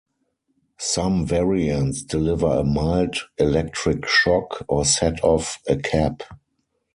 Some variants deliver a mild electric shock, or set off a cap.